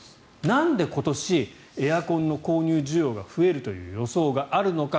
なんで、今年エアコンの購入需要が増えるという予想があるのか。